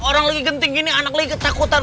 orang lagi genting gini anak lagi ketakutan